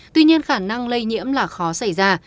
tuy nhiên khả năng lây nhiễm là khó xảy ra